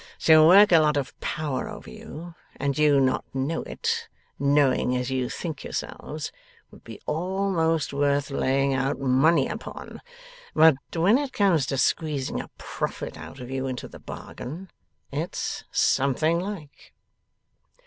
To work a lot of power over you and you not know it, knowing as you think yourselves, would be almost worth laying out money upon. But when it comes to squeezing a profit out of you into the bargain, it's something like!